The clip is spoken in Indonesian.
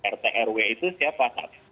rtrw itu siapa